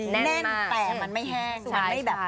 แน่นแต่มันไม่แห้ง